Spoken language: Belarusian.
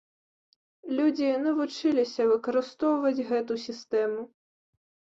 Людзі навучыліся выкарыстоўваць гэту сістэму.